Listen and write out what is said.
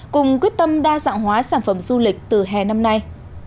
cùng quyết tâm đa dạng hóa sản phẩm du lịch từ hè năm nay